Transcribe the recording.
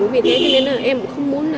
vì thế nên là em cũng không muốn